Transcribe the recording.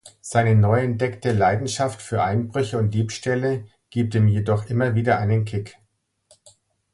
Seine neuentdeckte Leidenschaft für Einbrüche und Diebstähle gibt ihm jedoch immer wieder einen Kick.